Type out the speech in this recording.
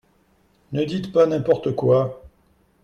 Ne dites pas n’importe quoi